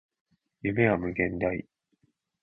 夢は無限大